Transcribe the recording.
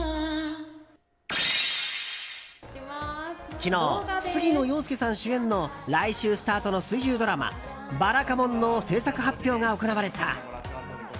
昨日、杉野遥亮さん主演の来週スタートの水１０ドラマ「ばらかもん」の制作発表が行われた。